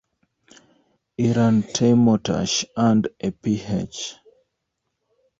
Iran Teymourtash earned a Ph.